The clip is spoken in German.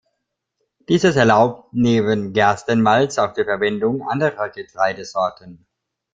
Dieses erlaubt neben Gerstenmalz auch die Verwendung anderer Getreidesorten.